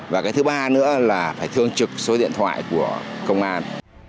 và cái thứ ba nữa là phải thường trực số điện thoại của công an